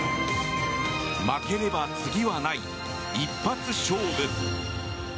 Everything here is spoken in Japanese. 負ければ次はない一発勝負。